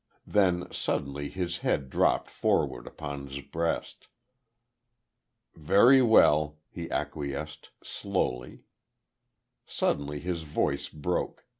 Then suddenly his head dropped forward upon his breast. "Very well," he acquiesced, slowly. Suddenly his voice broke.